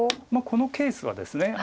このケースはですね